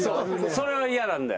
それ嫌なんだよ。